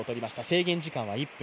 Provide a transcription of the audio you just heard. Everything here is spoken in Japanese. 制限時間は１分。